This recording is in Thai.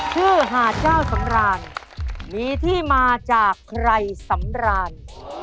หาดเจ้าสำราญมีที่มาจากใครสำราญ